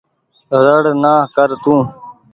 ۯڙ نآ ڪر تو۔